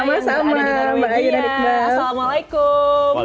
sama sama mbak aini dan iqbal